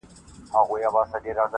تېر له هري ورځي جنګ اوعداوت سو -